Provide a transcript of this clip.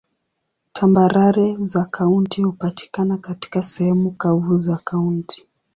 Tambarare za kaunti hupatikana katika sehemu kavu za kaunti.